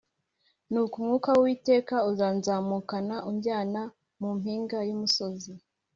Nuko umwuka w’Uwiteka uranzamukana unjyana mu mpinga y’umusozi